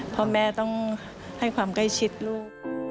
พ่อแม่ต้องให้ความใกล้ชิดลูก